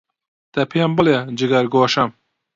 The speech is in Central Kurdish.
دە پێم بڵێ، جگەرگۆشەم،